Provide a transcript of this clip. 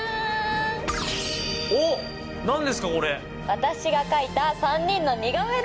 私が描いた３人の似顔絵です！